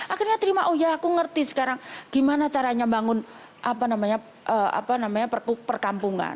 akhirnya terima oh ya aku ngerti sekarang gimana caranya bangun perkampungan